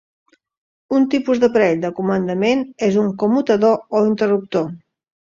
Un tipus d'aparell de comandament és un commutador o interruptor.